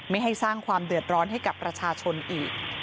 ไม่ให้สร้างความเดือดร้อนให้กับประชาชนอีก